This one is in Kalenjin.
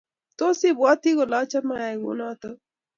Tos, ibwoti kole achame ayay kunoto?